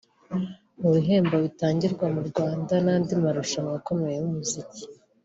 Mu bihembo bitangirwa mu Rwanda n’andi marushanwa akomeye y’umuziki